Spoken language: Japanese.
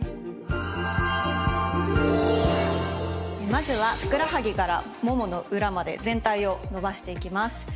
まずはふくらはぎからももの裏まで全体を伸ばしていきます。